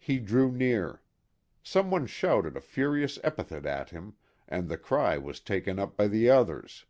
He drew near. Some one shouted a furious epithet at him, and the cry was taken up by others.